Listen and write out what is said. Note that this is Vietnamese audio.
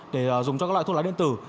để dùng cho các loại thuốc lá điện tử